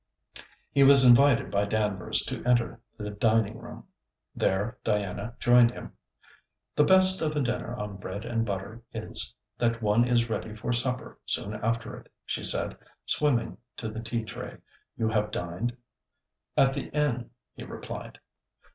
He was invited by Danvers to enter the dining room. There Diana joined him. 'The best of a dinner on bread and butter is, that one is ready for supper soon after it,' she said, swimming to the tea tray. 'You have dined?' 'At the inn,' he replied.